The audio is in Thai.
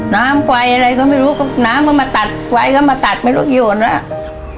น้ำไฟอะไรก็ไม่รู้น้ำก็มาตัดไฟก็มาตัดไม่รู้โยนแล้ว